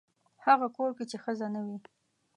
هغه کور کې چې ښځه نه وي.